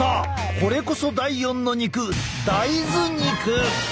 これこそ第４の肉大豆肉！